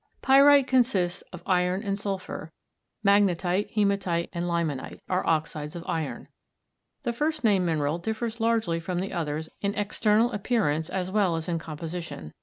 Pyrite consists of iron and sulphur; magnetite, hematite, and limonite are oxides of iron. The first named mineral differs largely from the others in external appearance as well as in composition.